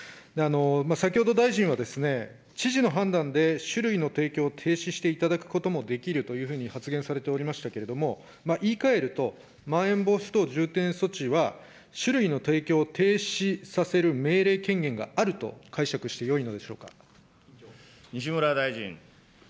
先ほど大臣は、知事の判断で酒類の提供を停止していただくこともできるというふうに発言されておりましたけれども、言い換えると、まん延防止等重点措置は、酒類の提供を停止させる命令権限があると解釈してよいのでしょう西村大臣。